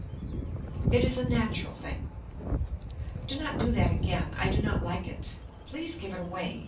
IT IS A NATURAL THING Do not do that again. I do not like it. Please give it away.